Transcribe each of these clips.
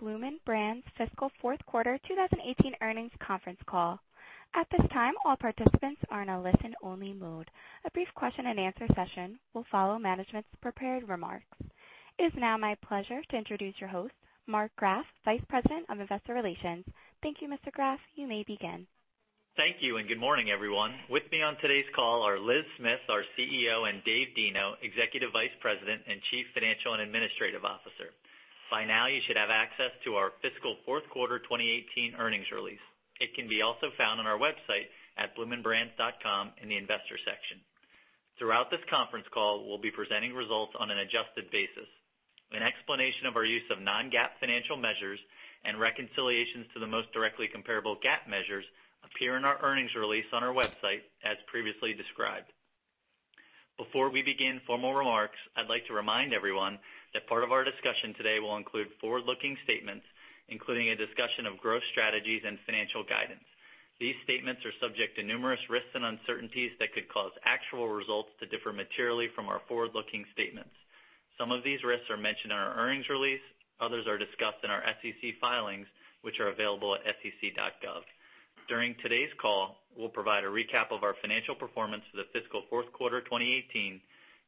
Bloomin' Brands fiscal fourth quarter 2018 earnings conference call. At this time, all participants are in a listen-only mode. A brief question-and-answer session will follow management's prepared remarks. It is now my pleasure to introduce your host, Mark Graff, Vice President of Investor Relations. Thank you, Mr. Graff. You may begin. Thank you, and good morning, everyone. With me on today's call are Liz Smith, our CEO, and Dave Deno, Executive Vice President and Chief Financial and Administrative Officer. By now, you should have access to our fiscal fourth quarter 2018 earnings release. It can be also found on our website at bloominbrands.com in the investor section. Throughout this conference call, we'll be presenting results on an adjusted basis. An explanation of our use of non-GAAP financial measures and reconciliations to the most directly comparable GAAP measures appear in our earnings release on our website, as previously described. Before we begin formal remarks, I'd like to remind everyone that part of our discussion today will include forward-looking statements, including a discussion of growth strategies and financial guidance. These statements are subject to numerous risks and uncertainties that could cause actual results to differ materially from our forward-looking statements. Some of these risks are mentioned in our earnings release. Others are discussed in our SEC filings, which are available at sec.gov. During today's call, we'll provide a recap of our financial performance for the fiscal fourth quarter 2018,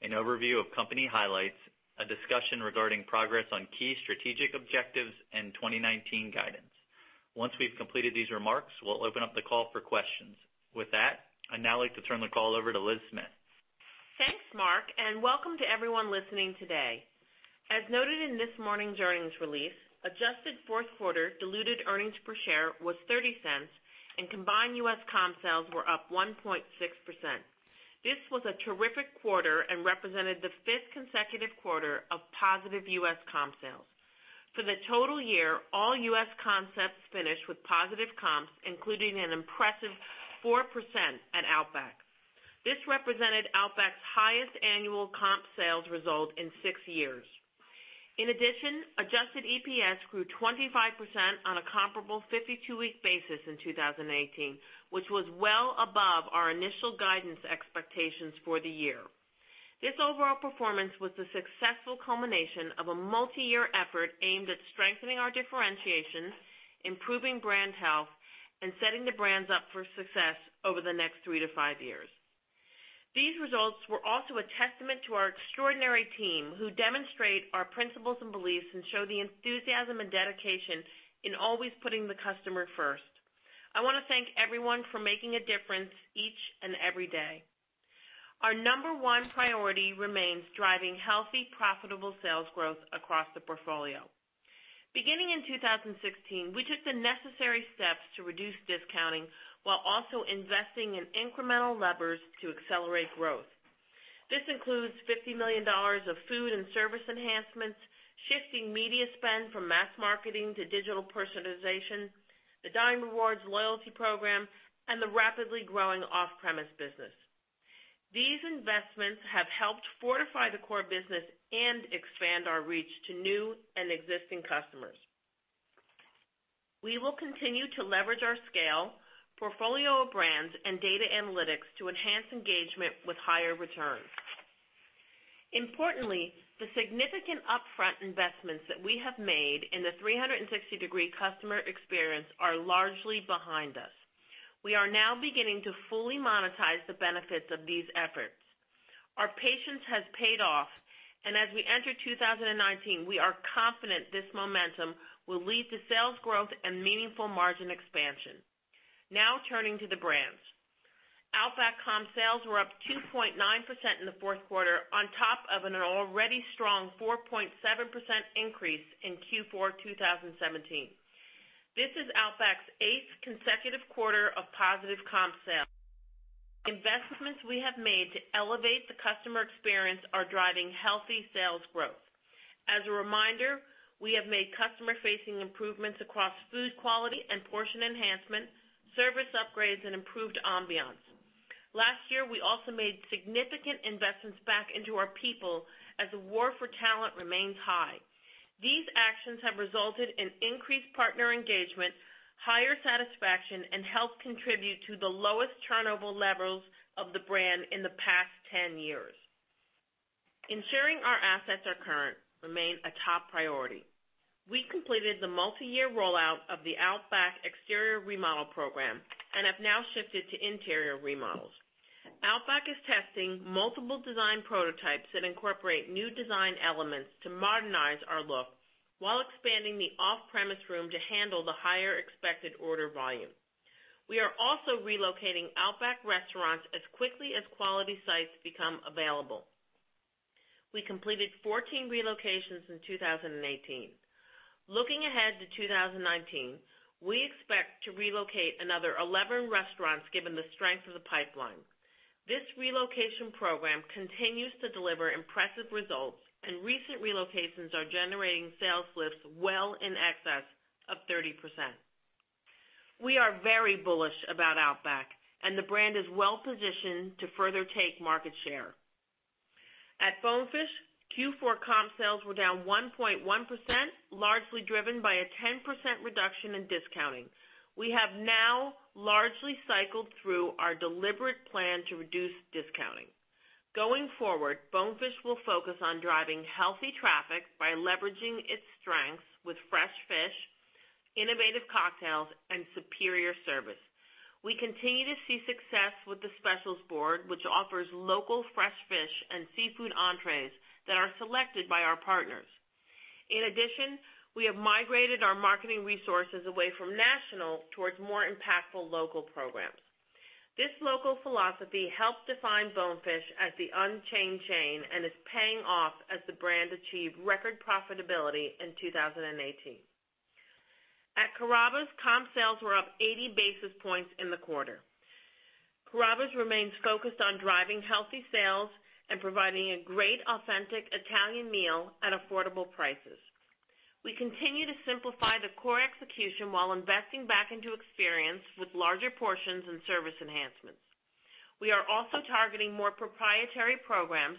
an overview of company highlights, a discussion regarding progress on key strategic objectives, and 2019 guidance. Once we've completed these remarks, we'll open up the call for questions. With that, I'd now like to turn the call over to Liz Smith. Thanks, Mark, and welcome to everyone listening today. As noted in this morning's earnings release, adjusted fourth quarter diluted earnings per share was $0.30, and combined U.S. comp sales were up 1.6%. This was a terrific quarter and represented the fifth consecutive quarter of positive U.S. comp sales. For the total year, all U.S. concepts finished with positive comps, including an impressive 4% at Outback. This represented Outback's highest annual comp sales result in six years. In addition, adjusted EPS grew 25% on a comparable 52-week basis in 2018, which was well above our initial guidance expectations for the year. This overall performance was the successful culmination of a multi-year effort aimed at strengthening our differentiations, improving brand health, and setting the brands up for success over the next three to five years. These results were also a testament to our extraordinary team, who demonstrate our principles and beliefs and show the enthusiasm and dedication in always putting the customer first. I want to thank everyone for making a difference each and every day. Our number one priority remains driving healthy, profitable sales growth across the portfolio. Beginning in 2016, we took the necessary steps to reduce discounting while also investing in incremental levers to accelerate growth. This includes $50 million of food and service enhancements, shifting media spend from mass marketing to digital personalization, the Dine Rewards loyalty program, and the rapidly growing off-premise business. These investments have helped fortify the core business and expand our reach to new and existing customers. We will continue to leverage our scale, portfolio of brands, and data analytics to enhance engagement with higher returns. Importantly, the significant upfront investments that we have made in the 360-degree customer experience are largely behind us. We are now beginning to fully monetize the benefits of these efforts. Our patience has paid off, and as we enter 2019, we are confident this momentum will lead to sales growth and meaningful margin expansion. Now turning to the brands. Outback comp sales were up 2.9% in the fourth quarter on top of an already strong 4.7% increase in Q4 2017. This is Outback's eighth consecutive quarter of positive comp sales. Investments we have made to elevate the customer experience are driving healthy sales growth. As a reminder, we have made customer-facing improvements across food quality and portion enhancements, service upgrades, and improved ambiance. Last year, we also made significant investments back into our people as the war for talent remains high. These actions have resulted in increased partner engagement, higher satisfaction, and helped contribute to the lowest turnover levels of the brand in the past 10 years. Ensuring our assets are current remains a top priority. We completed the multi-year rollout of the Outback exterior remodel program and have now shifted to interior remodels. Outback is testing multiple design prototypes that incorporate new design elements to modernize our look while expanding the off-premise room to handle the higher expected order volume. We are also relocating Outback restaurants as quickly as quality sites become available. We completed 14 relocations in 2018. Looking ahead to 2019, we expect to relocate another 11 restaurants given the strength of the pipeline. This relocation program continues to deliver impressive results, and recent relocations are generating sales lifts well in excess of 30%. We are very bullish about Outback, and the brand is well positioned to further take market share. At Bonefish, Q4 comp sales were down 1.1%, largely driven by a 10% reduction in discounting. We have now largely cycled through our deliberate plan to reduce discounting. Going forward, Bonefish will focus on driving healthy traffic by leveraging its strengths with fresh fish, innovative cocktails, and superior service. We continue to see success with the specials board, which offers local fresh fish and seafood entrees that are selected by our partners. In addition, we have migrated our marketing resources away from national towards more impactful local programs. This local philosophy helps define Bonefish as the unchained chain and is paying off as the brand achieved record profitability in 2018. At Carrabba's, comp sales were up 80 basis points in the quarter. Carrabba's remains focused on driving healthy sales and providing a great authentic Italian meal at affordable prices. We continue to simplify the core execution while investing back into experience with larger portions and service enhancements. We are also targeting more proprietary programs,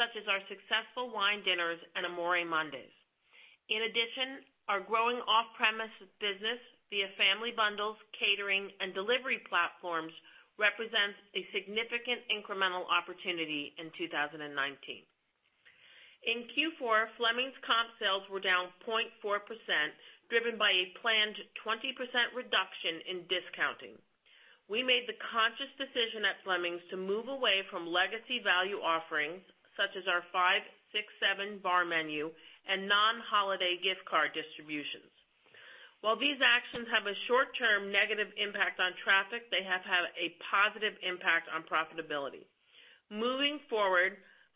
such as our successful wine dinners and Amore Mondays. Our growing off-premise business via family bundles, catering, and delivery platforms represents a significant incremental opportunity in 2019. In Q4, Fleming's comp sales were down 0.4%, driven by a planned 20% reduction in discounting. We made the conscious decision at Fleming's to move away from legacy value offerings, such as our 5-6-7 bar menu and non-holiday gift card distributions. While these actions have a short-term negative impact on traffic, they have had a positive impact on profitability. Moving forward,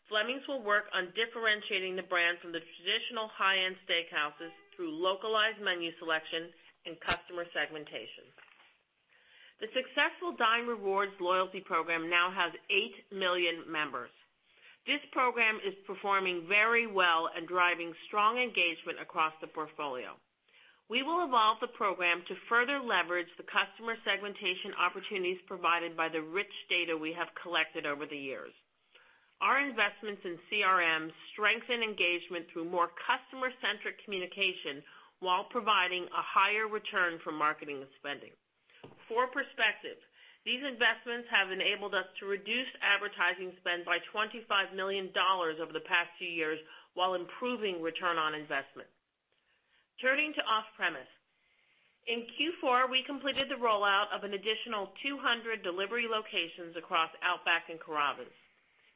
Fleming's will work on differentiating the brand from the traditional high-end steakhouses through localized menu selection and customer segmentation. The successful Dine Rewards loyalty program now has 8 million members. This program is performing very well and driving strong engagement across the portfolio. We will evolve the program to further leverage the customer segmentation opportunities provided by the rich data we have collected over the years. Our investments in CRMs strengthen engagement through more customer-centric communication while providing a higher return from marketing spending. For perspective, these investments have enabled us to reduce advertising spend by $25 million over the past two years while improving return on investment. Turning to off-premise. In Q4, we completed the rollout of an additional 200 delivery locations across Outback and Carrabba's.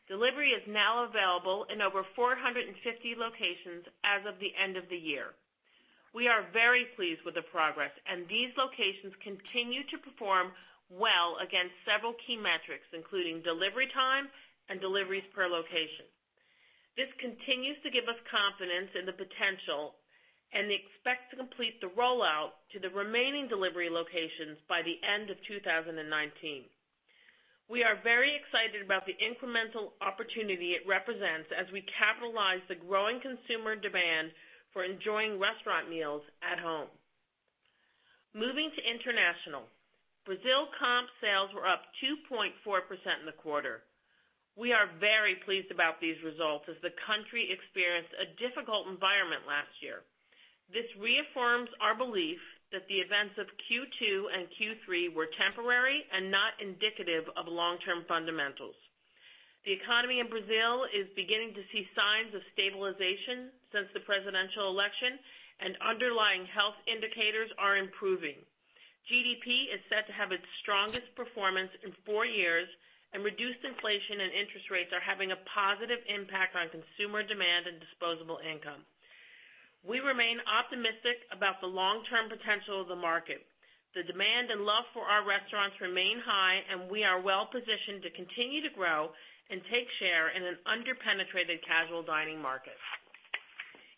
Delivery is now available in over 450 locations as of the end of the year. We are very pleased with the progress, these locations continue to perform well against several key metrics, including delivery time and deliveries per location. This continues to give us confidence in the potential, we expect to complete the rollout to the remaining delivery locations by the end of 2019. We are very excited about the incremental opportunity it represents as we capitalize the growing consumer demand for enjoying restaurant meals at home. Moving to international. Brazil comp sales were up 2.4% in the quarter. We are very pleased about these results as the country experienced a difficult environment last year. This reaffirms our belief that the events of Q2 and Q3 were temporary and not indicative of long-term fundamentals. The economy in Brazil is beginning to see signs of stabilization since the presidential election, underlying health indicators are improving. GDP is set to have its strongest performance in four years, reduced inflation and interest rates are having a positive impact on consumer demand and disposable income. We remain optimistic about the long-term potential of the market. The demand and love for our restaurants remain high, we are well positioned to continue to grow and take share in an under-penetrated casual dining market.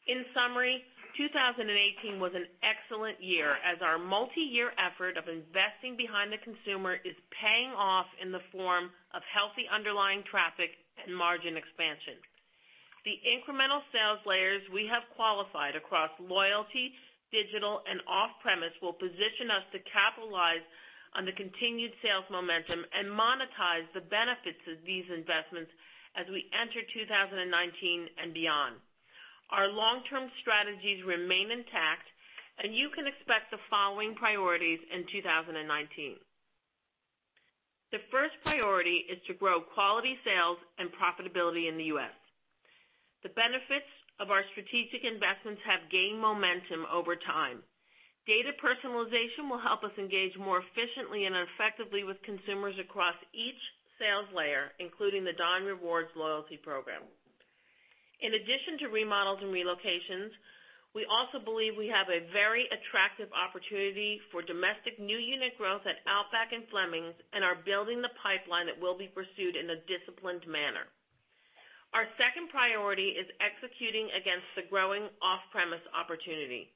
In summary, 2018 was an excellent year as our multi-year effort of investing behind the consumer is paying off in the form of healthy underlying traffic and margin expansion. The incremental sales layers we have qualified across loyalty, digital, and off-premise will position us to capitalize on the continued sales momentum and monetize the benefits of these investments as we enter 2019 and beyond. Our long-term strategies remain intact, you can expect the following priorities in 2019. The first priority is to grow quality sales and profitability in the U.S. The benefits of our strategic investments have gained momentum over time. Data personalization will help us engage more efficiently and effectively with consumers across each sales layer, including the Dine Rewards loyalty program. In addition to remodels and relocations, we also believe we have a very attractive opportunity for domestic new unit growth at Outback and Fleming's and are building the pipeline that will be pursued in a disciplined manner. Our second priority is executing against the growing off-premise opportunity.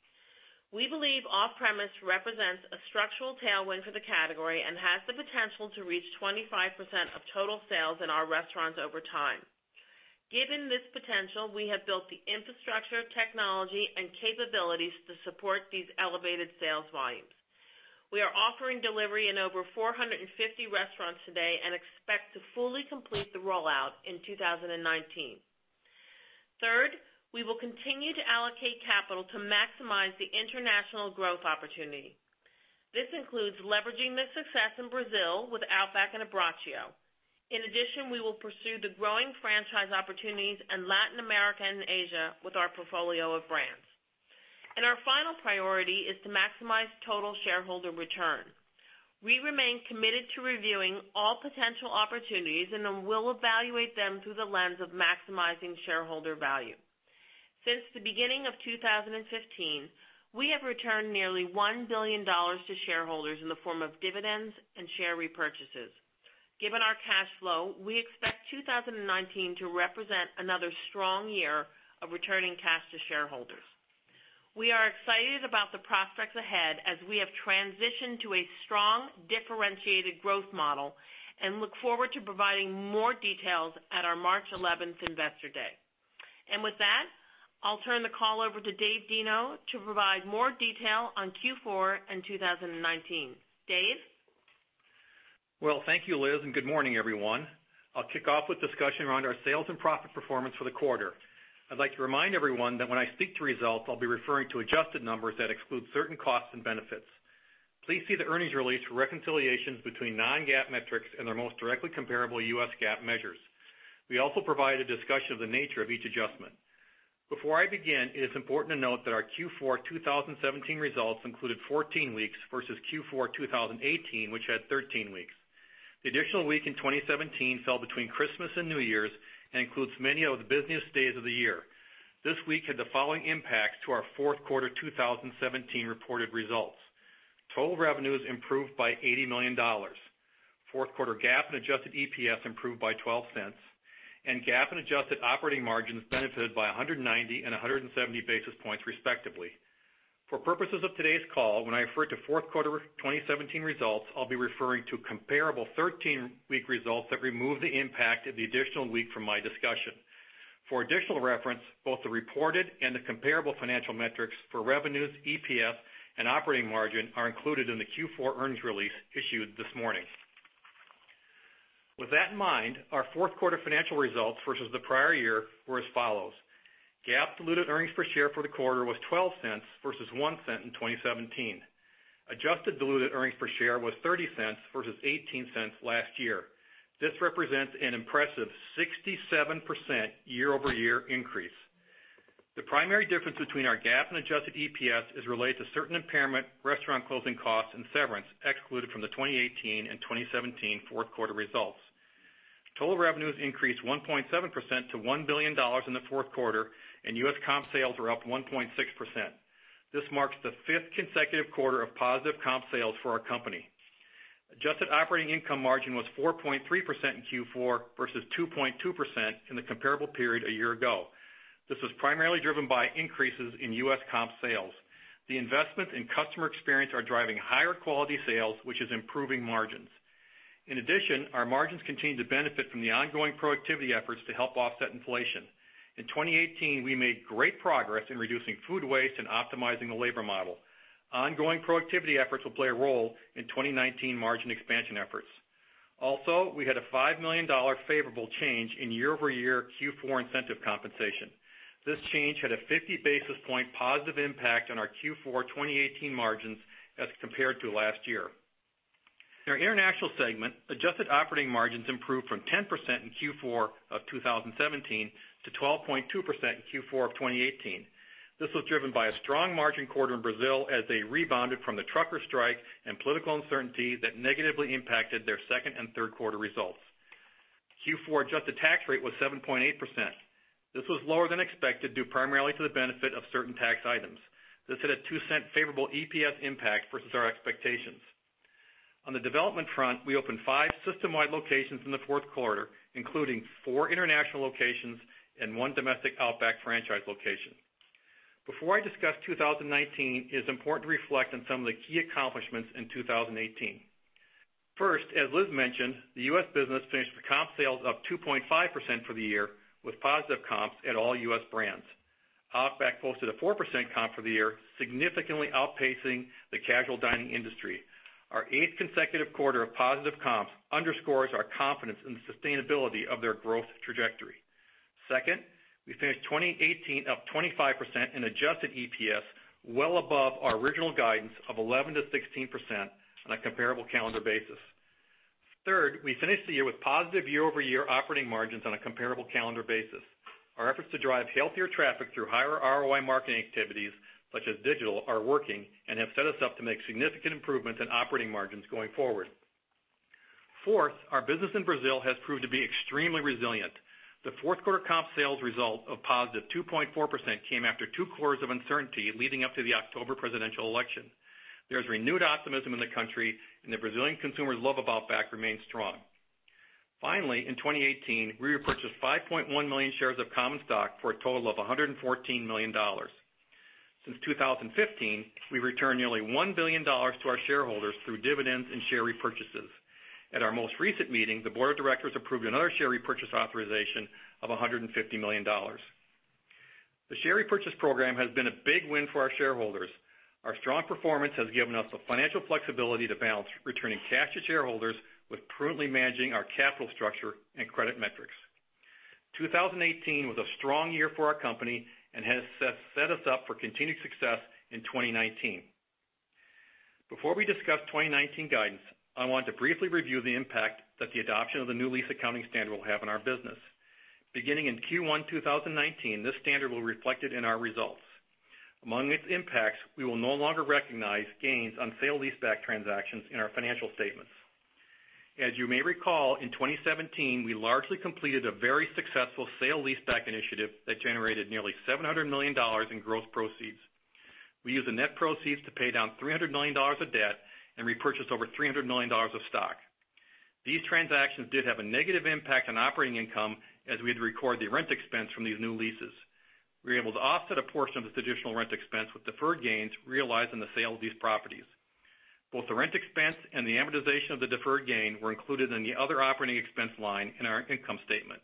We believe off-premise represents a structural tailwind for the category and has the potential to reach 25% of total sales in our restaurants over time. Given this potential, we have built the infrastructure, technology, and capabilities to support these elevated sales volumes. We are offering delivery in over 450 restaurants today and expect to fully complete the rollout in 2019. Third, we will continue to allocate capital to maximize the international growth opportunity. This includes leveraging the success in Brazil with Outback and Abbraccio. In addition, we will pursue the growing franchise opportunities in Latin America and Asia with our portfolio of brands. Our final priority is to maximize total shareholder return. We remain committed to reviewing all potential opportunities, and then we'll evaluate them through the lens of maximizing shareholder value. Since the beginning of 2015, we have returned nearly $1 billion to shareholders in the form of dividends and share repurchases. Given our cash flow, we expect 2019 to represent another strong year of returning cash to shareholders. We are excited about the prospects ahead as we have transitioned to a strong, differentiated growth model and look forward to providing more details at our March 11th Investor Day. With that, I'll turn the call over to Dave Deno to provide more detail on Q4 and 2019. Dave? Thank you, Liz, and good morning, everyone. I'll kick off with a discussion around our sales and profit performance for the quarter. I'd like to remind everyone that when I speak to results, I'll be referring to adjusted numbers that exclude certain costs and benefits. Please see the earnings release for reconciliations between non-GAAP metrics and their most directly comparable U.S. GAAP measures. We also provide a discussion of the nature of each adjustment. Before I begin, it is important to note that our Q4 2017 results included 14 weeks versus Q4 2018, which had 13 weeks. The additional week in 2017 fell between Christmas and New Year's and includes many of the busiest days of the year. This week had the following impacts to our fourth quarter 2017 reported results. Total revenues improved by $80 million. Fourth quarter GAAP and adjusted EPS improved by $0.12, and GAAP and adjusted operating margins benefited by 190 and 170 basis points respectively. For purposes of today's call, when I refer to fourth quarter 2017 results, I will be referring to comparable 13-week results that remove the impact of the additional week from my discussion. For additional reference, both the reported and the comparable financial metrics for revenues, EPS, and operating margin are included in the Q4 earnings release issued this morning. With that in mind, our fourth quarter financial results versus the prior year were as follows. GAAP diluted earnings per share for the quarter was $0.12 versus $0.01 in 2017. Adjusted diluted earnings per share was $0.30 versus $0.18 last year. This represents an impressive 67% year-over-year increase. The primary difference between our GAAP and adjusted EPS is related to certain impairment, restaurant closing costs, and severance excluded from the 2018 and 2017 fourth quarter results. Total revenues increased 1.7% to $1 billion in the fourth quarter, and U.S. comp sales were up 1.6%. This marks the fifth consecutive quarter of positive comp sales for our company. Adjusted operating income margin was 4.3% in Q4 versus 2.2% in the comparable period a year ago. This was primarily driven by increases in U.S. comp sales. The investments in customer experience are driving higher quality sales, which is improving margins. In addition, our margins continue to benefit from the ongoing productivity efforts to help offset inflation. In 2018, we made great progress in reducing food waste and optimizing the labor model. Ongoing productivity efforts will play a role in 2019 margin expansion efforts. Also, we had a $5 million favorable change in year-over-year Q4 incentive compensation. This change had a 50 basis point positive impact on our Q4 2018 margins as compared to last year. In our international segment, adjusted operating margins improved from 10% in Q4 of 2017 to 12.2% in Q4 of 2018. This was driven by a strong margin quarter in Brazil as they rebounded from the trucker strike and political uncertainty that negatively impacted their second and third quarter results. Q4 adjusted tax rate was 7.8%. This was lower than expected due primarily to the benefit of certain tax items. This had a $0.02 favorable EPS impact versus our expectations. On the development front, we opened five system-wide locations in the fourth quarter, including four international locations and one domestic Outback franchise location. Before I discuss 2019, it is important to reflect on some of the key accomplishments in 2018. First, as Liz mentioned, the U.S. business finished with comp sales up 2.5% for the year with positive comps at all U.S. brands. Outback posted a 4% comp for the year, significantly outpacing the casual dining industry. Our eighth consecutive quarter of positive comps underscores our confidence in the sustainability of their growth trajectory. Second, we finished 2018 up 25% in adjusted EPS, well above our original guidance of 11%-16% on a comparable calendar basis. Third, we finished the year with positive year-over-year operating margins on a comparable calendar basis. Our efforts to drive healthier traffic through higher ROI marketing activities, such as digital, are working and have set us up to make significant improvements in operating margins going forward. Fourth, our business in Brazil has proved to be extremely resilient. The fourth quarter comp sales result of +2.4% came after two quarters of uncertainty leading up to the October presidential election. There is renewed optimism in the country, and the Brazilian consumers' love of Outback remains strong. Finally, in 2018, we repurchased 5.1 million shares of common stock for a total of $114 million. Since 2015, we've returned nearly $1 billion to our shareholders through dividends and share repurchases. At our most recent meeting, the board of directors approved another share repurchase authorization of $150 million. The share repurchase program has been a big win for our shareholders. Our strong performance has given us the financial flexibility to balance returning cash to shareholders with prudently managing our capital structure and credit metrics. 2018 was a strong year for our company and has set us up for continued success in 2019. Before we discuss 2019 guidance, I want to briefly review the impact that the adoption of the new lease accounting standard will have on our business. Beginning in Q1 2019, this standard was reflected in our results. Among its impacts, we will no longer recognize gains on sale leaseback transactions in our financial statements. As you may recall, in 2017, we largely completed a very successful sale leaseback initiative that generated nearly $700 million in gross proceeds. We used the net proceeds to pay down $300 million of debt and repurchased over $300 million of stock. These transactions did have a negative impact on operating income, as we had to record the rent expense from these new leases. We were able to offset a portion of this additional rent expense with deferred gains realized in the sale of these properties. Both the rent expense and the amortization of the deferred gain were included in the other operating expense line in our income statement.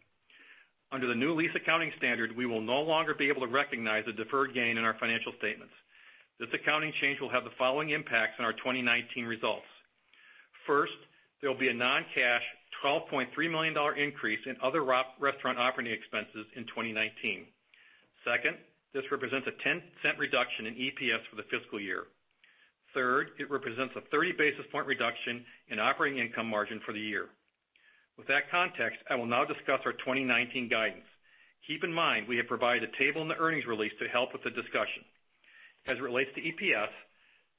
Under the new lease accounting standard, we will no longer be able to recognize the deferred gain in our financial statements. This accounting change will have the following impacts on our 2019 results. First, there will be a non-cash $12.3 million increase in other restaurant operating expenses in 2019. Second, this represents a $0.10 reduction in EPS for the fiscal year. Third, it represents a 30 basis point reduction in operating income margin for the year. With that context, I will now discuss our 2019 guidance. Keep in mind, we have provided a table in the earnings release to help with the discussion. As it relates to EPS,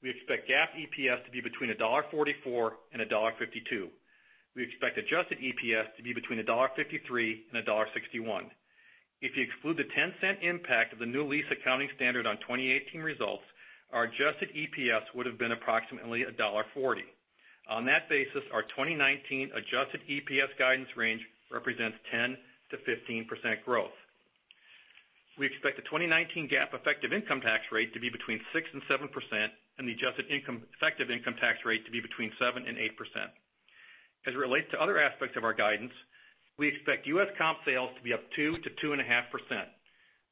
we expect GAAP EPS to be between $1.44 and $1.52. We expect adjusted EPS to be between $1.53 and $1.61. If you exclude the $0.10 impact of the new lease accounting standard on 2018 results, our adjusted EPS would've been approximately $1.40. On that basis, our 2019 adjusted EPS guidance range represents 10%-15% growth. We expect the 2019 GAAP effective income tax rate to be between 6%-7%, and the adjusted effective income tax rate to be between 7%-8%. As it relates to other aspects of our guidance, we expect U.S. comp sales to be up 2%-2.5%.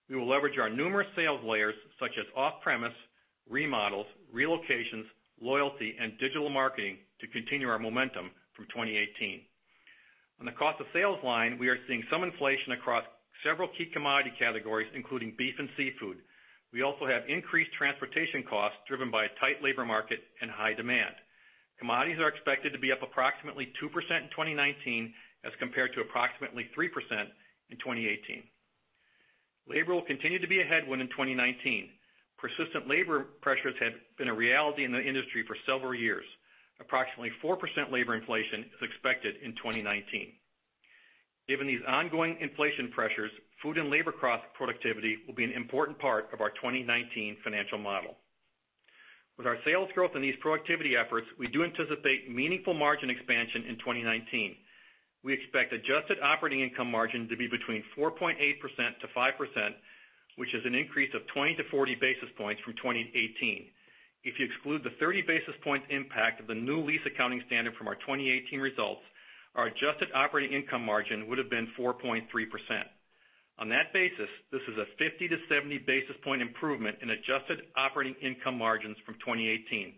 We will leverage our numerous sales layers, such as off-premise, remodels, relocations, loyalty, and digital marketing to continue our momentum from 2018. On the cost of sales line, we are seeing some inflation across several key commodity categories, including beef and seafood. We also have increased transportation costs driven by a tight labor market and high demand. Commodities are expected to be up approximately 2% in 2019 as compared to approximately 3% in 2018. Labor will continue to be a headwind in 2019. Persistent labor pressures have been a reality in the industry for several years. Approximately 4% labor inflation is expected in 2019. Given these ongoing inflation pressures, food and labor cost productivity will be an important part of our 2019 financial model. With our sales growth and these productivity efforts, we do anticipate meaningful margin expansion in 2019. We expect adjusted operating income margin to be between 4.8%-5%, which is an increase of 20-40 basis points from 2018. If you exclude the 30 basis points impact of the new lease accounting standard from our 2018 results, our adjusted operating income margin would've been 4.3%. On that basis, this is a 50-70 basis point improvement in adjusted operating income margins from 2018.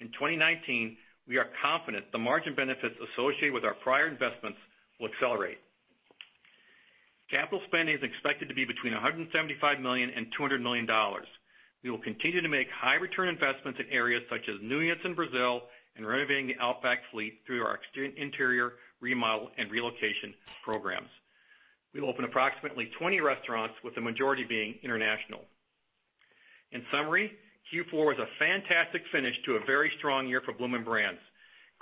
In 2019, we are confident the margin benefits associated with our prior investments will accelerate. Capital spending is expected to be between $175 million and $200 million. We will continue to make high return investments in areas such as new units in Brazil and renovating the Outback fleet through our exterior interior remodel and relocation programs. We will open approximately 20 restaurants, with the majority being international. In summary, Q4 was a fantastic finish to a very strong year for Bloomin' Brands.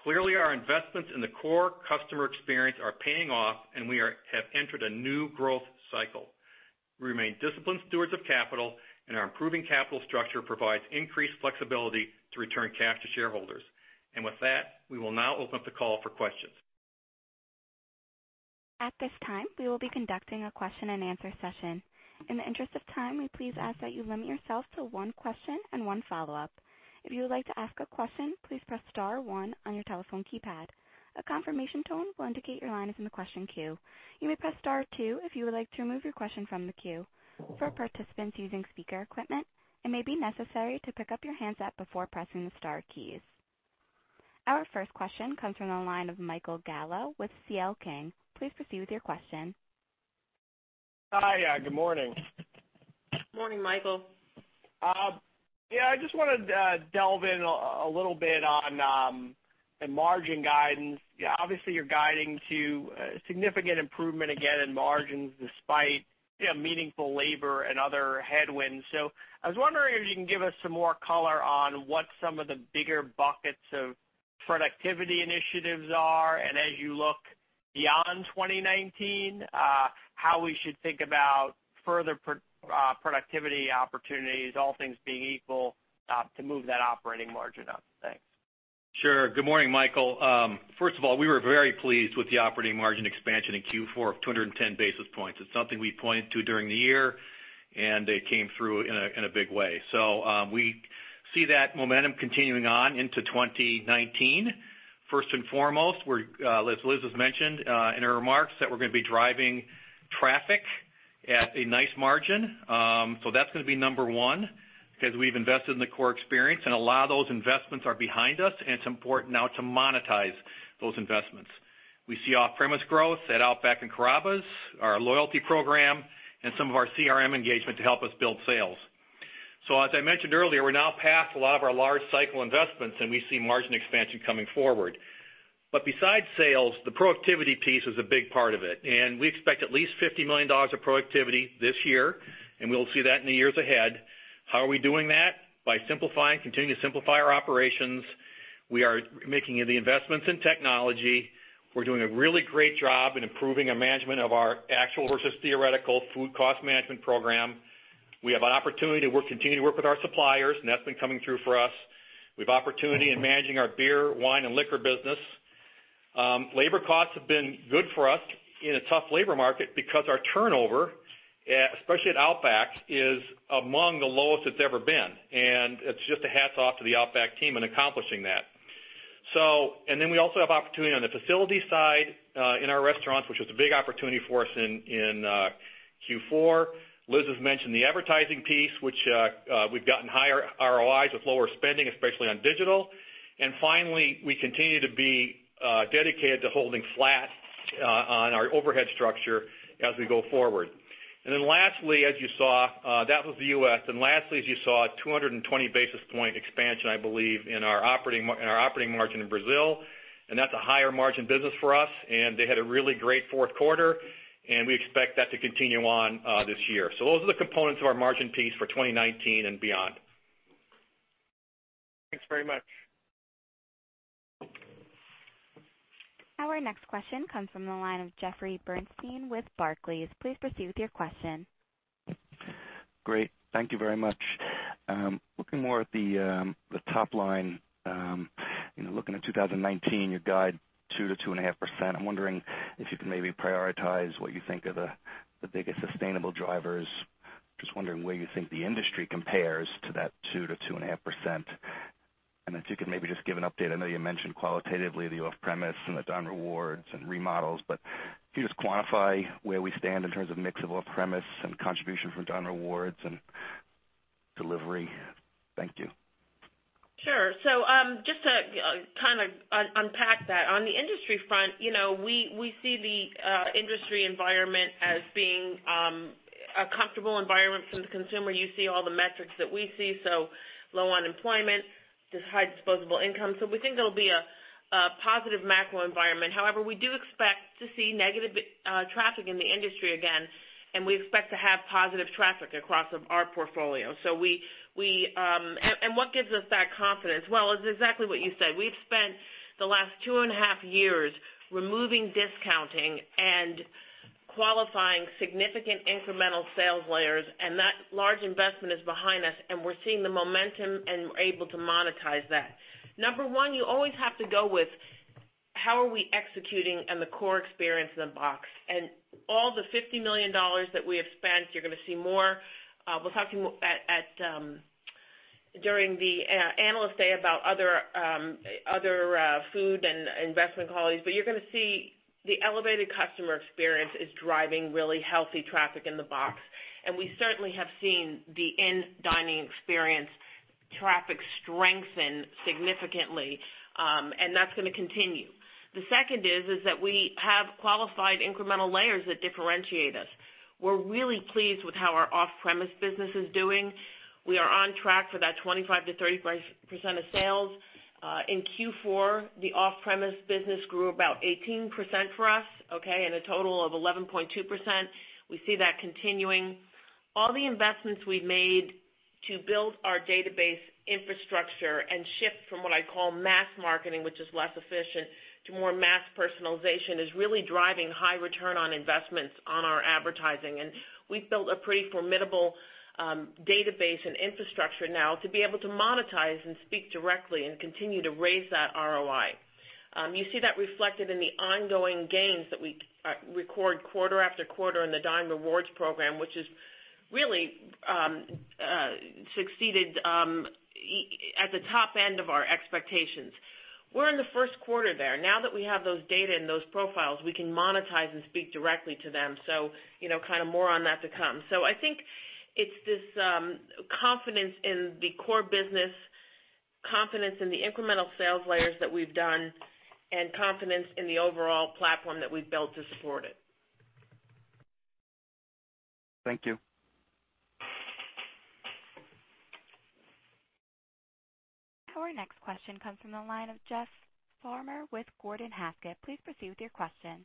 Clearly, our investments in the core customer experience are paying off, and we have entered a new growth cycle. We remain disciplined stewards of capital, and our improving capital structure provides increased flexibility to return cash to shareholders. With that, we will now open up the call for questions. At this time, we will be conducting a question-and-answer session. In the interest of time, we please ask that you limit yourself to one question and one follow-up. If you would like to ask a question, please press star one on your telephone keypad. A confirmation tone will indicate your line is in the question queue. You may press star two if you would like to remove your question from the queue. For participants using speaker equipment, it may be necessary to pick up your handset before pressing the star keys. Our first question comes from the line of Michael Gallo with C.L. King. Please proceed with your question. Hi. Good morning. Morning, Michael. I just want to delve in a little bit on the margin guidance. Obviously, you're guiding to a significant improvement again in margins despite meaningful labor and other headwinds. I was wondering if you can give us some more color on what some of the bigger buckets of productivity initiatives are. As you look beyond 2019, how we should think about further productivity opportunities, all things being equal, to move that operating margin up. Thanks. Sure. Good morning, Michael. First of all, we were very pleased with the operating margin expansion in Q4 of 210 basis points. It's something we pointed to during the year, it came through in a big way. We see that momentum continuing on into 2019. First and foremost, as Liz has mentioned in her remarks, that we're going to be driving traffic at a nice margin. That's going to be number one, because we've invested in the core experience, a lot of those investments are behind us, it's important now to monetize those investments. We see off-premise growth at Outback and Carrabba's, our loyalty program, some of our CRM engagement to help us build sales. As I mentioned earlier, we're now past a lot of our large cycle investments, we see margin expansion coming forward. Besides sales, the productivity piece is a big part of it, we expect at least $50 million of productivity this year, we'll see that in the years ahead. How are we doing that? By simplifying, continuing to simplify our operations. We are making the investments in technology. We're doing a really great job in improving our management of our actual versus theoretical food cost management program. We have an opportunity to continue to work with our suppliers, that's been coming through for us. We have opportunity in managing our beer, wine, and liquor business. Labor costs have been good for us in a tough labor market because our turnover, especially at Outback, is among the lowest it's ever been. It's just a hats off to the Outback team in accomplishing that. We also have opportunity on the facility side in our restaurants, which was a big opportunity for us in Q4. Liz has mentioned the advertising piece, which we've gotten higher ROIs with lower spending, especially on digital. Finally, we continue to be dedicated to holding flat on our overhead structure as we go forward. Lastly, as you saw, that was the U.S. Lastly, as you saw, 220 basis point expansion, I believe, in our operating margin in Brazil. That's a higher margin business for us, and they had a really great fourth quarter, and we expect that to continue on this year. Those are the components of our margin piece for 2019 and beyond. Thanks very much. Our next question comes from the line of Jeffrey Bernstein with Barclays. Please proceed with your question. Great. Thank you very much. Looking more at the top line. Looking at 2019, you guide 2%-2.5%. I'm wondering if you can maybe prioritize what you think are the biggest sustainable drivers. Just wondering where you think the industry compares to that 2%-2.5%. If you could maybe just give an update. I know you mentioned qualitatively the off-premise and the Dine Rewards and remodels, can you just quantify where we stand in terms of mix of off-premise and contribution from Dine Rewards and delivery? Thank you. Sure. Just to kind of unpack that. On the industry front, we see the industry environment as being a comfortable environment from the consumer. You see all the metrics that we see, low unemployment, just high disposable income. We think there'll be a positive macro environment. However, we do expect to see negative traffic in the industry again, we expect to have positive traffic across our portfolio. What gives us that confidence? Well, it's exactly what you said. We've spent the last two and a half years removing discounting and qualifying significant incremental sales layers, that large investment is behind us, we're seeing the momentum, we're able to monetize that. Number one, you always have to go with how are we executing on the core experience in the box. All the $50 million that we have spent, you're going to see more. We'll talk to you during the Analyst Day about other food and investment qualities. You're going to see the elevated customer experience is driving really healthy traffic in the box. We certainly have seen the in-dining experience traffic strengthen significantly, that's going to continue. The second is that we have qualified incremental layers that differentiate us. We're really pleased with how our off-premise business is doing. We are on track for that 25%-30% of sales. In Q4, the off-premise business grew about 18% for us, a total of 11.2%. We see that continuing. All the investments we've made to build our database infrastructure and shift from what I call mass marketing, which is less efficient, to more mass personalization, is really driving high return on investments on our advertising. We've built a pretty formidable database and infrastructure now to be able to monetize and speak directly and continue to raise that ROI. You see that reflected in the ongoing gains that we record quarter after quarter in the Dine Rewards program, which has really succeeded at the top end of our expectations. We're in the first quarter there. Now that we have those data and those profiles, we can monetize and speak directly to them. Kind of more on that to come. I think it's this confidence in the core business, confidence in the incremental sales layers that we've done, confidence in the overall platform that we've built to support it. Thank you. Our next question comes from the line of Jeff Farmer with Gordon Haskett. Please proceed with your question.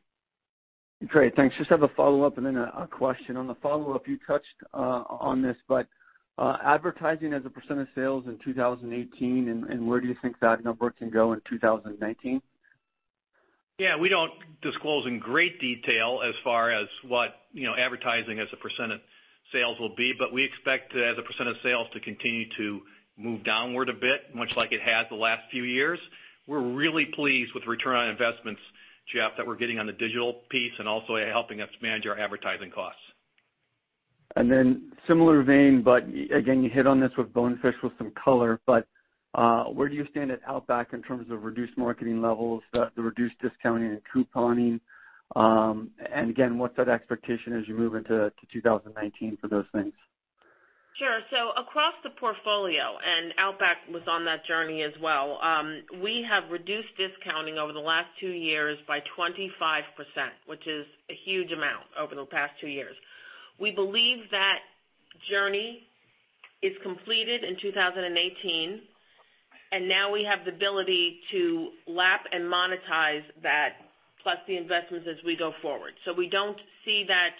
Great, thanks. Just have a follow-up and then a question. On the follow-up, you touched on this, but advertising as a percent of sales in 2018 and where do you think that number can go in 2019? Yeah, we don't disclose in great detail as far as what advertising as a percent of sales will be, but we expect as a percent of sales to continue to move downward a bit, much like it has the last few years. We're really pleased with return on investments, Jeff, that we're getting on the digital piece and also helping us manage our advertising costs. Similar vein, you hit on this with Bonefish with some color, where do you stand at Outback in terms of reduced marketing levels, the reduced discounting and couponing? What's that expectation as you move into 2019 for those things? Sure. Across the portfolio, Outback was on that journey as well, we have reduced discounting over the last two years by 25%, which is a huge amount over the past two years. We believe that journey is completed in 2018, and now we have the ability to lap and monetize that plus the investments as we go forward. We don't see that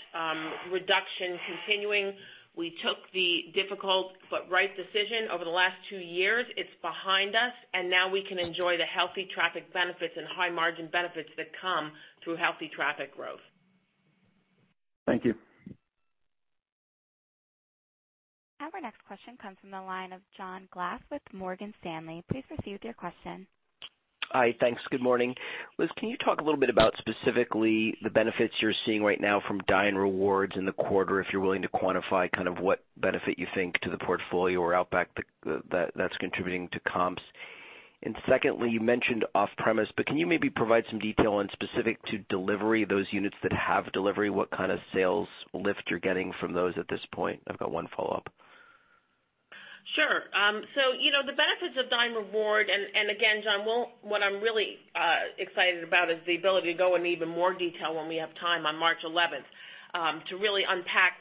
reduction continuing. We took the difficult but right decision over the last two years. It's behind us, and now we can enjoy the healthy traffic benefits and high margin benefits that come through healthy traffic growth. Thank you. Our next question comes from the line of John Glass with Morgan Stanley. Please proceed with your question. Hi. Thanks. Good morning. Liz, can you talk a little bit about specifically the benefits you're seeing right now from Dine Rewards in the quarter, if you're willing to quantify what benefit you think to the portfolio or Outback that's contributing to comps? Secondly, you mentioned off-premise, but can you maybe provide some detail on specific to delivery, those units that have delivery, what kind of sales lift you're getting from those at this point? I've got one follow-up. Sure. The benefits of Dine Rewards, and again, John, what I'm really excited about is the ability to go into even more detail when we have time on March 11th, to really unpack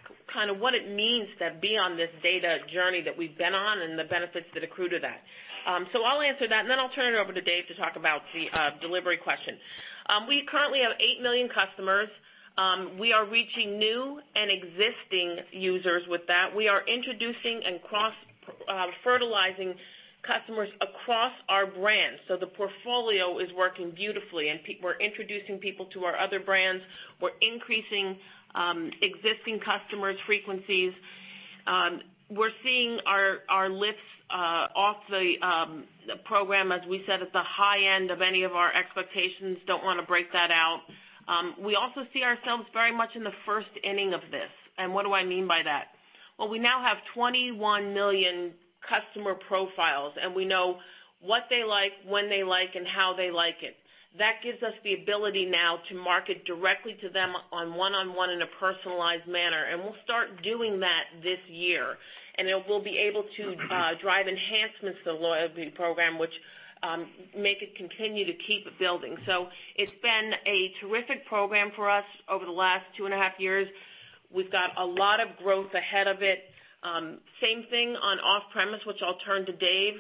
what it means to be on this data journey that we've been on and the benefits that accrue to that. I'll answer that, and then I'll turn it over to Dave to talk about the delivery question. We currently have eight million customers. We are reaching new and existing users with that. We are introducing and cross-fertilizing customers across our brands. The portfolio is working beautifully, and we're introducing people to our other brands. We're increasing existing customers' frequencies. We're seeing our lifts off the program, as we said, at the high end of any of our expectations, don't want to break that out. We also see ourselves very much in the first inning of this. What do I mean by that? We now have 21 million customer profiles, and we know what they like, when they like, and how they like it. That gives us the ability now to market directly to them on one-on-one in a personalized manner, and we'll start doing that this year. Then we'll be able to drive enhancements to the loyalty program, which make it continue to keep building. It's been a terrific program for us over the last 2.5 years. We've got a lot of growth ahead of it. Same thing on off-premise, which I'll turn to Dave.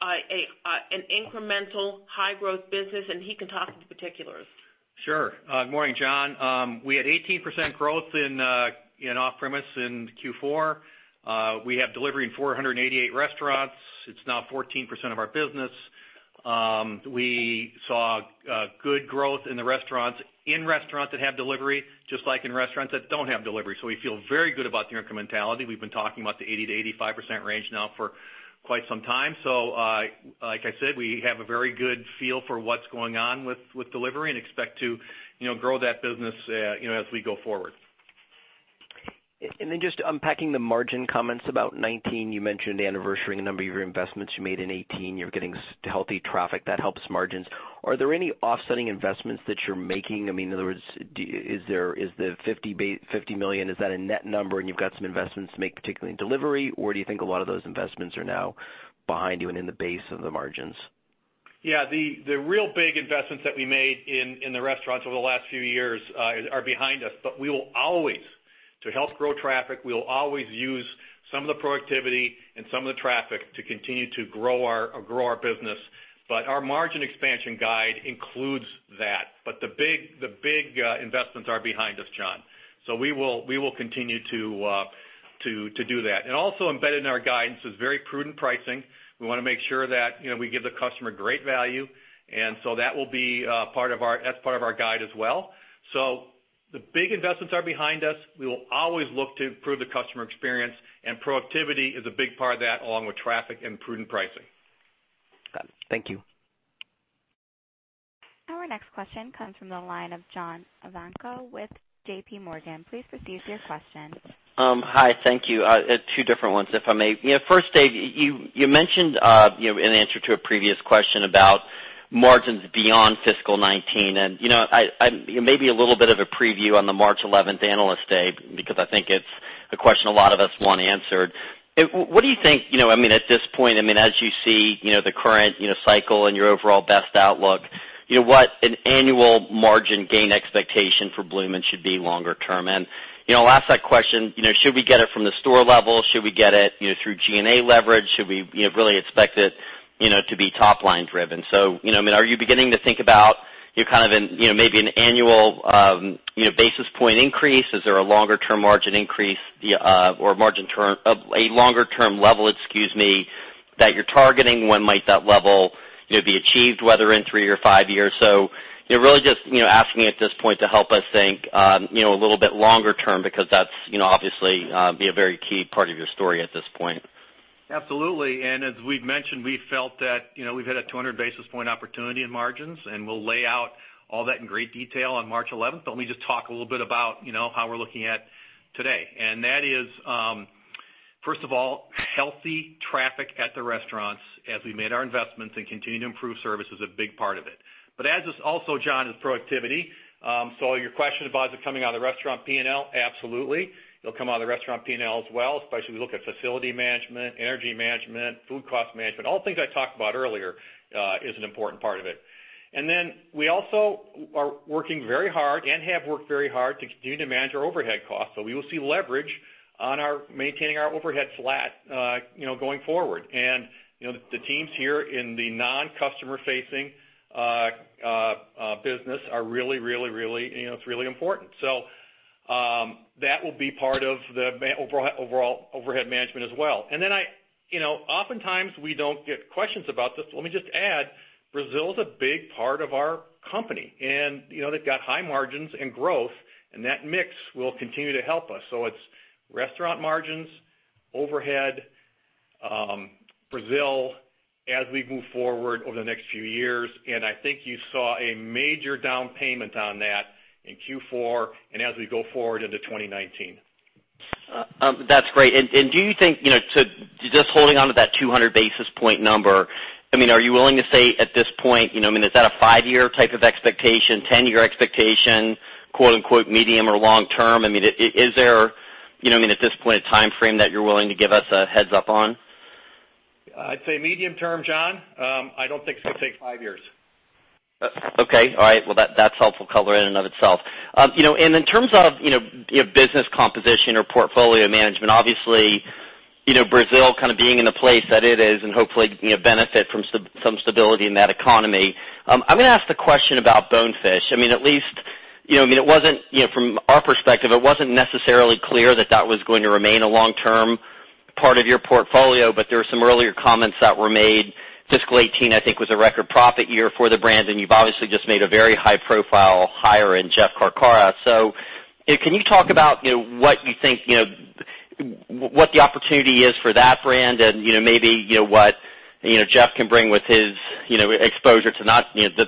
An incremental high growth business, and he can talk to the particulars. Sure. Good morning, John. We had 18% growth in off-premise in Q4. We have delivery in 488 restaurants. It's now 14% of our business. We saw good growth in the restaurants, in restaurants that have delivery, just like in restaurants that don't have delivery. We feel very good about the incrementality. We've been talking about the 80%-85% range now for quite some time. Like I said, we have a very good feel for what's going on with delivery and expect to grow that business as we go forward. Just unpacking the margin comments about 2019, you mentioned anniversarying a number of your investments you made in 2018. You're getting healthy traffic. That helps margins. Are there any offsetting investments that you're making? In other words, is the $50 million, is that a net number and you've got some investments to make, particularly in delivery, or do you think a lot of those investments are now behind you and in the base of the margins? The real big investments that we made in the restaurants over the last few years are behind us. To help grow traffic, we will always use some of the productivity and some of the traffic to continue to grow our business. Our margin expansion guide includes that. The big investments are behind us, John. We will continue to do that. Also embedded in our guidance is very prudent pricing. We want to make sure that we give the customer great value, that's part of our guide as well. The big investments are behind us. We will always look to improve the customer experience, and productivity is a big part of that, along with traffic and prudent pricing. Got it. Thank you. Our next question comes from the line of John Ivankoe with JPMorgan. Please proceed with your question. Hi. Thank you. Two different ones, if I may. First, Dave Deno, you mentioned in answer to a previous question about margins beyond fiscal 2019, and maybe a little bit of a preview on the March 11th Analyst Day, because I think it's a question a lot of us want answered. What do you think, at this point, as you see the current cycle and your overall best outlook, what an annual margin gain expectation for Bloomin' should be longer term? I'll ask that question, should we get it from the store level? Should we get it through G&A leverage? Should we really expect it to be top-line driven? Are you beginning to think about maybe an annual basis point increase? Is there a longer term margin increase or a longer term level, excuse me, that you're targeting? When might that level be achieved, whether in three or five years? Really just asking at this point to help us think a little bit longer term because that's obviously be a very key part of your story at this point. Absolutely. As we've mentioned, we've felt that we've had a 200 basis point opportunity in margins, and we'll lay out all that in great detail on March 11th. Let me just talk a little bit about how we're looking at today. That is, first of all, healthy traffic at the restaurants as we made our investments and continue to improve service is a big part of it. As is also, John, is productivity. Your question about is it coming out of the restaurant P&L? Absolutely. It'll come out of the restaurant P&L as well, especially we look at facility management, energy management, food cost management, all the things I talked about earlier is an important part of it. Then we also are working very hard and have worked very hard to continue to manage our overhead costs. We will see leverage on maintaining our overhead flat going forward. The teams here in the non-customer facing business are really important. That will be part of the overall overhead management as well. Then oftentimes we don't get questions about this, but let me just add, Brazil is a big part of our company, and they've got high margins and growth, and that mix will continue to help us. It's restaurant margins, overhead, Brazil as we move forward over the next few years. I think you saw a major down payment on that in Q4 and as we go forward into 2019. That's great. Do you think, just holding onto that 200 basis point number, are you willing to say at this point, is that a five-year type of expectation, 10-year expectation, "medium or long term"? Is there, at this point, a timeframe that you're willing to give us a heads up on? I'd say medium term, John. I don't think it's going to take five years. Okay. All right. Well, that's helpful color in and of itself. In terms of business composition or portfolio management, obviously, Brazil kind of being in the place that it is and hopefully can benefit from some stability in that economy. I'm going to ask the question about Bonefish. From our perspective, it wasn't necessarily clear that that was going to remain a long-term part of your portfolio, but there were some earlier comments that were made. Fiscal 2018, I think, was a record profit year for the brand, and you've obviously just made a very high profile hire in Jeff Carcara. Can you talk about what you think the opportunity is for that brand and maybe what Jeff can bring with his exposure to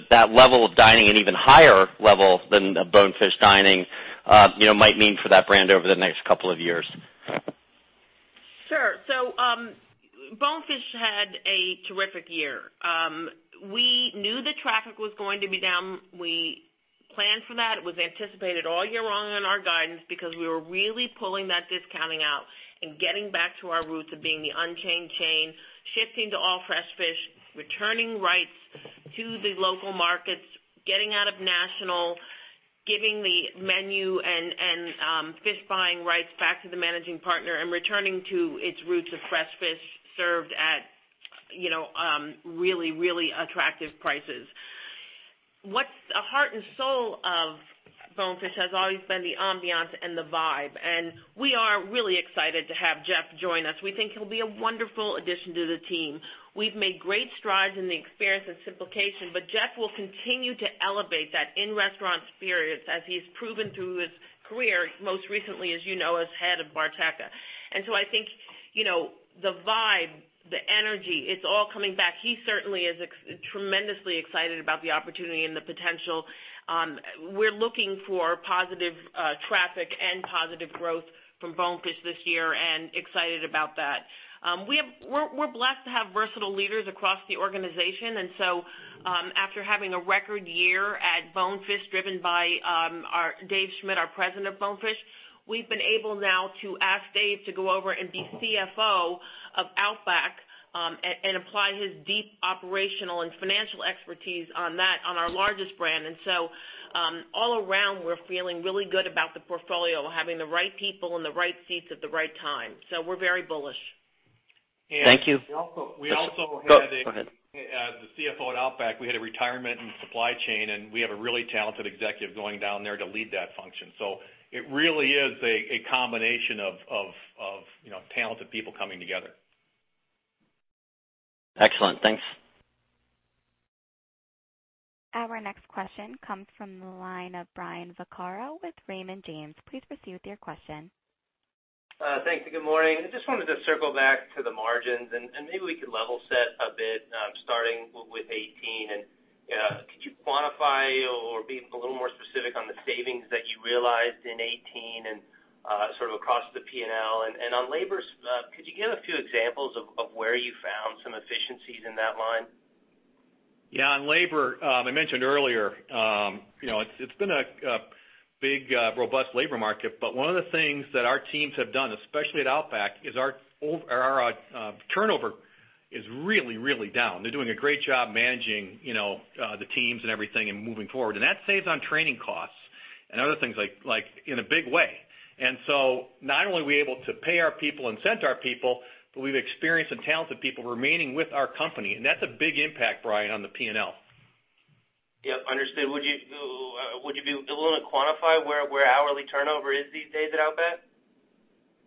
that level of dining and even higher level than Bonefish dining might mean for that brand over the next couple of years? Sure. Bonefish had a terrific year. We knew the traffic was going to be down. We planned for that. It was anticipated all year long in our guidance because we were really pulling that discounting out and getting back to our roots of being the unchained chain, shifting to all fresh fish, returning rights to the local markets, getting out of national, giving the menu and fish buying rights back to the managing partner, and returning to its roots of fresh fish served at really attractive prices. What's the heart and soul of Bonefish has always been the ambiance and the vibe. We are really excited to have Jeff join us. We think he'll be a wonderful addition to the team. We've made great strides in the experience and simplification. Jeff will continue to elevate that in-restaurant experience as he's proven through his career, most recently, as you know, as head of Barteca. I think the vibe, the energy, it's all coming back. He certainly is tremendously excited about the opportunity and the potential. We're looking for positive traffic and positive growth from Bonefish this year and excited about that. We're blessed to have versatile leaders across the organization. After having a record year at Bonefish, driven by David Schmidt, our president of Bonefish, we've been able now to ask Dave to go over and be CFO of Outback and apply his deep operational and financial expertise on our largest brand. All around, we're feeling really good about the portfolio, having the right people in the right seats at the right time. We're very bullish. Thank you. We also had- Go ahead. the CFO at Outback. We have a really talented executive going down there to lead that function. It really is a combination of talented people coming together. Excellent. Thanks. Our next question comes from the line of Brian Vaccaro with Raymond James. Please proceed with your question. Thanks. Good morning. I just wanted to circle back to the margins. Maybe we could level set a bit, starting with 2018. Could you quantify or be a little more specific on the savings that you realized in 2018 and sort of across the P&L. On labor, could you give a few examples of where you found some efficiencies in that line? On labor, I mentioned earlier it's been a big robust labor market. One of the things that our teams have done, especially at Outback, is our turnover is really down. They're doing a great job managing the teams and everything and moving forward. That saves on training costs and other things in a big way. Not only are we able to pay our people, incent our people, but we've experienced some talented people remaining with our company. That's a big impact, Brian, on the P&L. Understood. Would you be willing to quantify where hourly turnover is these days at Outback?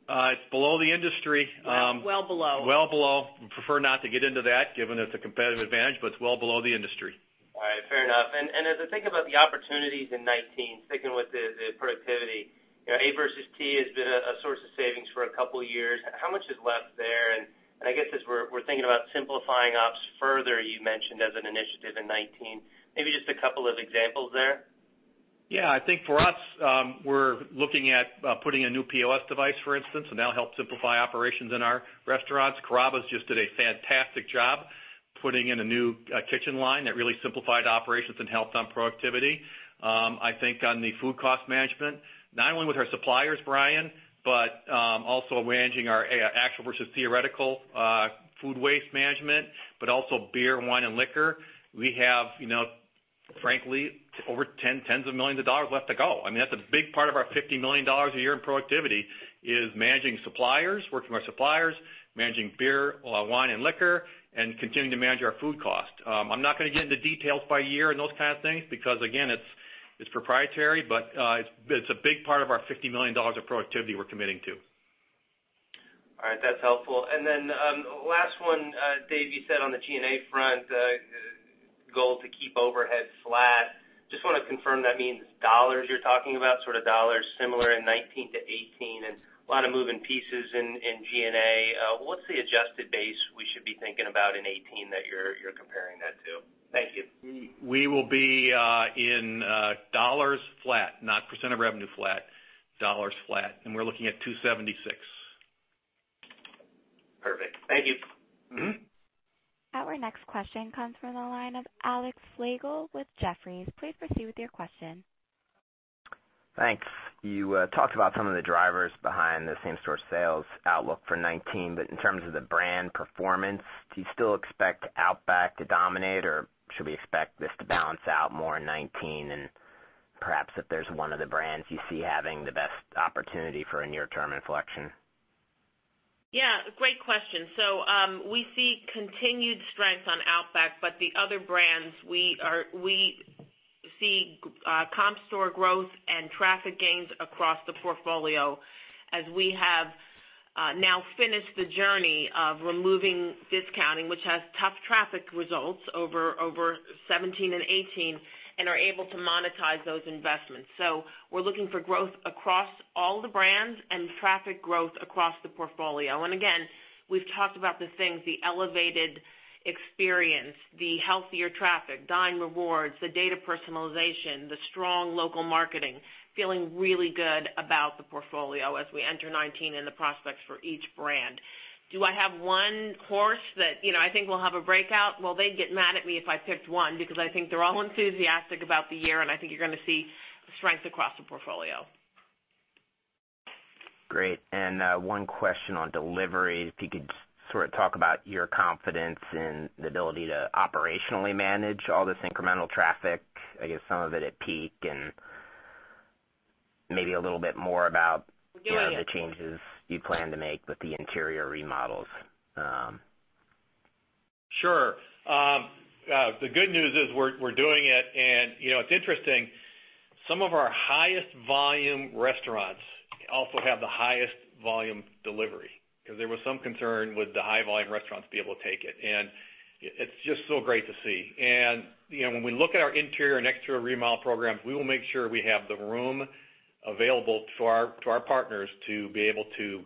It's below the industry. Well below. Well below. We prefer not to get into that given it's a competitive advantage, but it's well below the industry. All right, fair enough. As I think about the opportunities in 2019, sticking with the productivity, actual versus theoretical has been a source of savings for a couple of years. How much is left there? I guess as we're thinking about simplifying ops further, you mentioned as an initiative in 2019, maybe just a couple of examples there. I think for us, we're looking at putting a new POS device, for instance, That'll help simplify operations in our restaurants. Carrabba's just did a fantastic job putting in a new kitchen line that really simplified operations and helped on productivity. I think on the food cost management, not only with our suppliers, Brian, but also managing our actual versus theoretical food waste management, but also beer, wine, and liquor. We have frankly, over tens of millions of dollars left to go. That's a big part of our $50 million a year in productivity is managing suppliers, working with our suppliers, managing beer, wine, and liquor, continuing to manage our food cost. I'm not going to get into details by year and those kind of things, because again, it's proprietary, but it's a big part of our $50 million of productivity we're committing to. All right. That's helpful. Then, last one, Dave, you said on the G&A front, goal to keep overhead flat. Just want to confirm that means dollars you're talking about, sort of dollars similar in 2019-2018. A lot of moving pieces in G&A. What's the adjusted base we should be thinking about in 2018 that you're comparing that to? Thank you. We will be in dollars flat, not percent of revenue flat, dollars flat. We're looking at $276. Perfect. Thank you. Our next question comes from the line of Alex Slagle with Jefferies. Please proceed with your question. Thanks. You talked about some of the drivers behind the same-store sales outlook for 2019, in terms of the brand performance, do you still expect Outback to dominate, or should we expect this to balance out more in 2019? Perhaps if there's one of the brands you see having the best opportunity for a near-term inflection? Yeah, great question. We see continued strength on Outback, the other brands, we see comp store growth and traffic gains across the portfolio as we have now finished the journey of removing discounting, which has tough traffic results over 2017 and 2018, and are able to monetize those investments. We're looking for growth across all the brands and traffic growth across the portfolio. Again, we've talked about the things, the elevated experience, the healthier traffic, Dine Rewards, the data personalization, the strong local marketing, feeling really good about the portfolio as we enter 2019 and the prospects for each brand. Do I have one horse that I think will have a breakout? Well, they'd get mad at me if I picked one because I think they're all enthusiastic about the year, and I think you're going to see strength across the portfolio. Great. One question on delivery, if you could sort of talk about your confidence in the ability to operationally manage all this incremental traffic, I guess some of it at peak, and maybe a little more about- Yeah. the changes you plan to make with the interior remodels. Sure. The good news is we're doing it. It's interesting, some of our highest volume restaurants also have the highest volume delivery, because there was some concern, would the high volume restaurants be able to take it? It's just so great to see. When we look at our interior and exterior remodel programs, we will make sure we have the room available to our partners to be able to,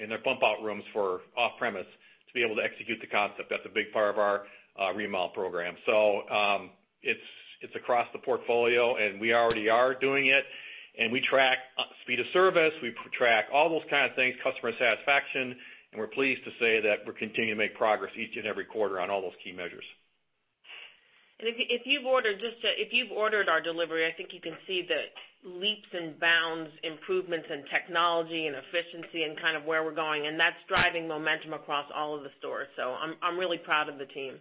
and their bump-out rooms for off-premise, to be able to execute the concept. That's a big part of our remodel program. It's across the portfolio, and we already are doing it. We track speed of service, we track all those kind of things, customer satisfaction, and we're pleased to say that we're continuing to make progress each and every quarter on all those key measures. If you've ordered our delivery, I think you can see the leaps and bounds improvements in technology and efficiency and kind of where we're going, and that's driving momentum across all of the stores. I'm really proud of the team.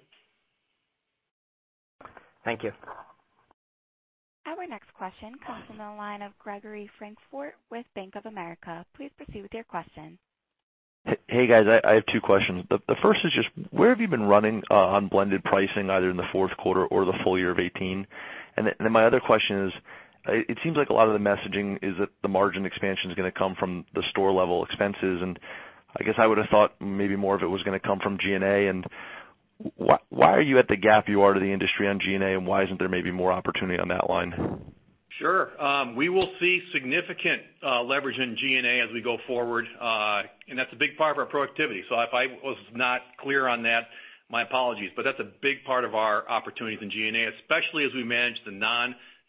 Thank you. Our next question comes from the line of Gregory Francfort with Bank of America. Please proceed with your question. Hey, guys. I have two questions. The first is just where have you been running on blended pricing, either in the fourth quarter or the full year of 2018? My other question is, it seems like a lot of the messaging is that the margin expansion is going to come from the store level expenses, and I guess I would've thought maybe more of it was going to come from G&A, and why are you at the gap you are to the industry on G&A, and why isn't there maybe more opportunity on that line? Sure. We will see significant leverage in G&A as we go forward. That's a big part of our productivity. If I was not clear on that, my apologies, but that's a big part of our opportunities in G&A, especially as we manage the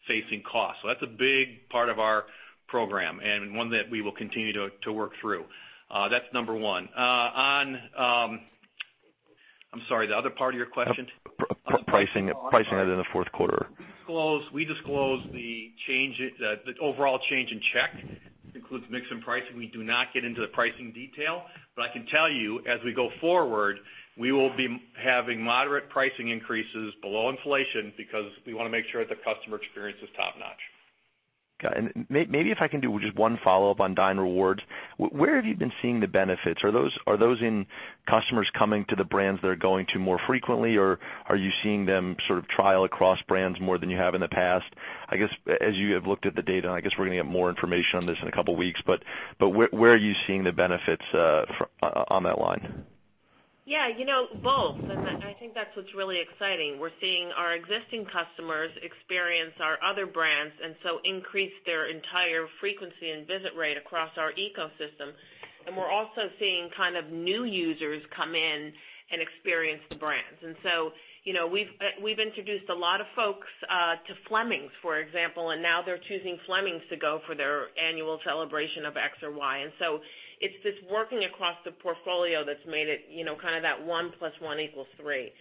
non-facing costs. That's a big part of our program and one that we will continue to work through. That's number one. I'm sorry, the other part of your question? Pricing it in the fourth quarter. We disclose the overall change in check, includes mix and pricing. We do not get into the pricing detail. I can tell you, as we go forward, we will be having moderate pricing increases below inflation because we want to make sure that the customer experience is top-notch. Got it. Maybe if I can do just one follow-up on Dine Rewards. Where have you been seeing the benefits? Are those in customers coming to the brands they're going to more frequently, or are you seeing them sort of trial across brands more than you have in the past? I guess as you have looked at the data, and I guess we're going to get more information on this in a couple of weeks, where are you seeing the benefits on that line? Yeah, both. I think that's what's really exciting. We're seeing our existing customers experience our other brands, so increase their entire frequency and visit rate across our ecosystem. We're also seeing new users come in and experience the brands. So, we've introduced a lot of folks to Fleming's, for example, and now they're choosing Fleming's to go for their annual celebration of X or Y. So it's this working across the portfolio that's made it that 1+1=3.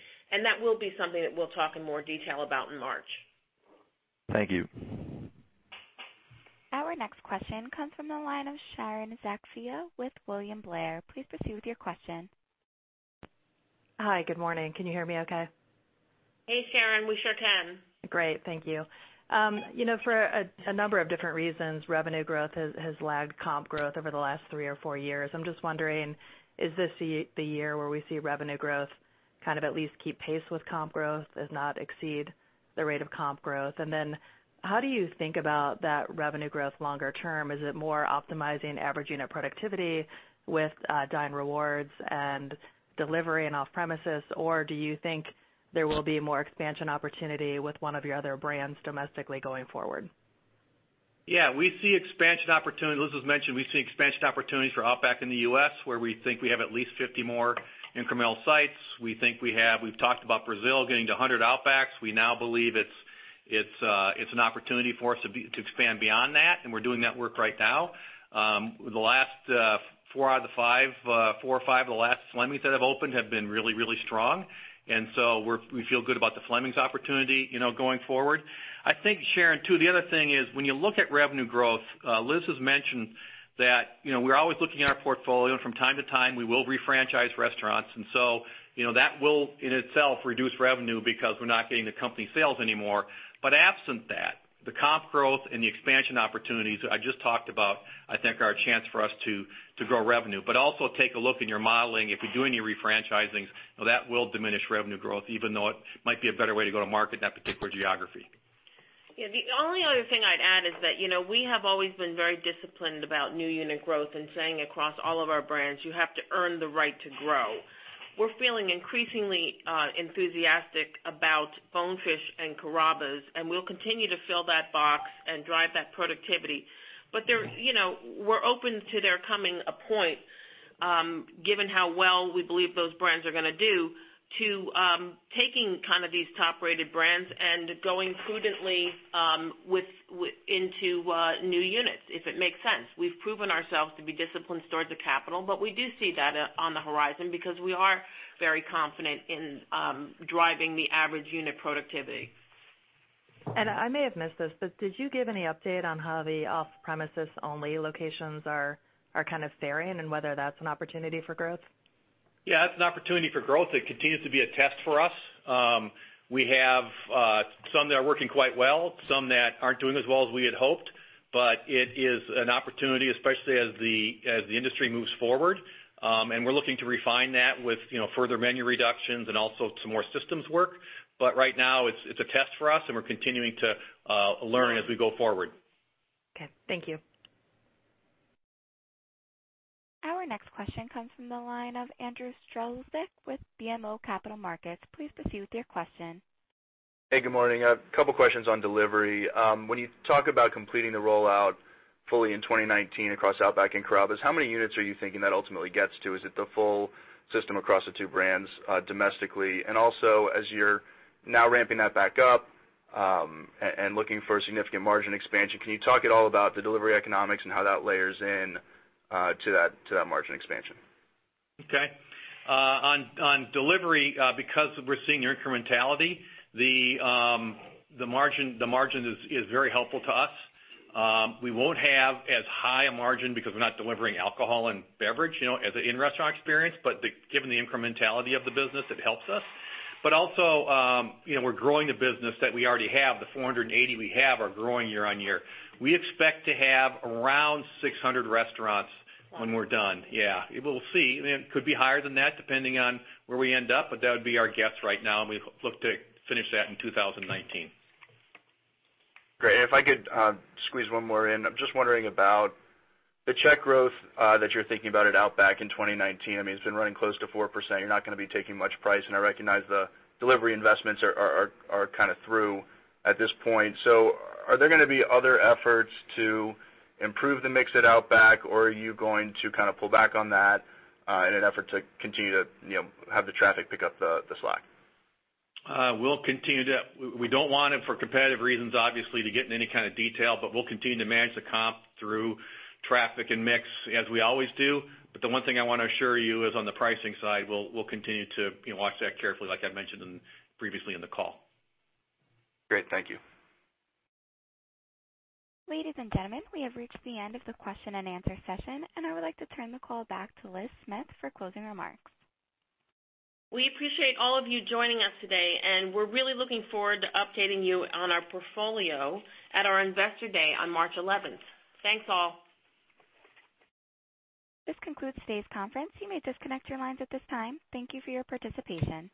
That will be something that we'll talk in more detail about in March. Thank you. Our next question comes from the line of Sharon Zackfia with William Blair. Please proceed with your question. Hi. Good morning. Can you hear me okay? Hey, Sharon. We sure can. Great. Thank you. For a number of different reasons, revenue growth has lagged comp growth over the last three or four years. I'm just wondering, is this the year where we see revenue growth at least keep pace with comp growth, if not exceed the rate of comp growth? How do you think about that revenue growth longer term? Is it more optimizing average unit productivity with Dine Rewards and delivery and off-premises? Do you think there will be more expansion opportunity with one of your other brands domestically going forward? We see expansion opportunities. Liz has mentioned we see expansion opportunities for Outback in the U.S., where we think we have at least 50 more incremental sites. We've talked about Brazil getting to 100 Outbacks. We now believe it's an opportunity for us to expand beyond that, and we're doing that work right now. The last four or five of the last Fleming's that have opened have been really, really strong. We feel good about the Fleming's opportunity going forward. I think, Sharon, too, the other thing is, when you look at revenue growth, Liz has mentioned that we're always looking at our portfolio, and from time to time, we will refranchise restaurants. That will in itself reduce revenue because we're not getting the company sales anymore. Absent that, the comp growth and the expansion opportunities I just talked about, I think are a chance for us to grow revenue. Also take a look in your modeling, if you do any refranchising, that will diminish revenue growth even though it might be a better way to go to market in that particular geography. The only other thing I'd add is that, we have always been very disciplined about new unit growth and saying across all of our brands, you have to earn the right to grow. We're feeling increasingly enthusiastic about Bonefish and Carrabba's, and we'll continue to fill that box and drive that productivity. We're open to there coming a point, given how well we believe those brands are going to do, to taking these top-rated brands and going prudently into new units, if it makes sense. We've proven ourselves to be disciplined stewards of capital, we do see that on the horizon because we are very confident in driving the average unit productivity. I may have missed this, but did you give any update on how the off-premises only locations are faring and whether that's an opportunity for growth? It's an opportunity for growth. It continues to be a test for us. We have some that are working quite well, some that aren't doing as well as we had hoped, but it is an opportunity, especially as the industry moves forward. We're looking to refine that with further menu reductions and also some more systems work. Right now, it's a test for us, and we're continuing to learn as we go forward. Okay, thank you. Our next question comes from the line of Andrew Strelzik with BMO Capital Markets. Please proceed with your question. Hey, good morning. A couple questions on delivery. When you talk about completing the rollout fully in 2019 across Outback and Carrabba's, how many units are you thinking that ultimately gets to? Is it the full system across the two brands domestically? Also, as you're now ramping that back up and looking for a significant margin expansion, can you talk at all about the delivery economics and how that layers in to that margin expansion? Okay. On delivery, because we're seeing the incrementality, the margin is very helpful to us. We won't have as high a margin because we're not delivering alcohol and beverage, as an in-restaurant experience, but given the incrementality of the business, it helps us. Also, we're growing the business that we already have. The 480 we have are growing year on year. We expect to have around 600 restaurants when we're done. Yeah. We'll see. It could be higher than that, depending on where we end up, but that would be our guess right now, and we look to finish that in 2019. Great. If I could squeeze one more in. I'm just wondering about the check growth that you're thinking about at Outback in 2019. It's been running close to 4%. You're not going to be taking much price. I recognize the delivery investments are through at this point. Are there going to be other efforts to improve the mix at Outback, or are you going to pull back on that in an effort to continue to have the traffic pick up the slack? We don't want, for competitive reasons, obviously, to get in any kind of detail. We'll continue to manage the comp through traffic and mix as we always do. The one thing I want to assure you is on the pricing side, we'll continue to watch that carefully, like I mentioned previously in the call. Great. Thank you. Ladies and gentlemen, we have reached the end of the question-and-answer session. I would like to turn the call back to Liz Smith for closing remarks. We appreciate all of you joining us today. We're really looking forward to updating you on our portfolio at our Investor Day on March 11th. Thanks, all. This concludes today's conference. You may disconnect your lines at this time. Thank you for your participation.